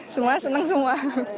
semua seneng semua